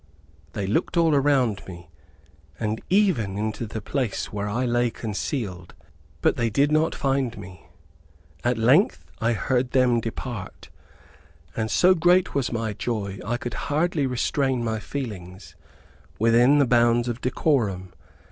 They looked all around me, and even into the place where I lay concealed, but they did not find me. At length I heard them depart, and so great was my joy, I could hardly restrain my feelings within the bounds of decorum.